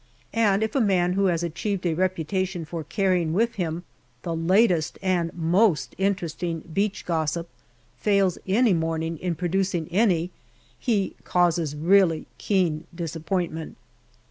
And if a man who has achieved a reputation for carrying with him the latest and most interesting " beach gossip " fails any morning in producing any, he causes really keen disappointment.